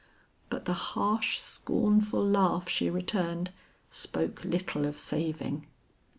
But the harsh scornful laugh she returned, spoke little of saving.